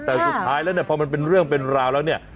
แต่สุดท้ายแล้วเนี่ยพอมันเป็นเรื่องเป็นราวแล้วเนี่ย